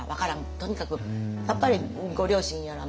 とにかくやっぱりご両親やら環境もあった。